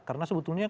karena sebetulnya kan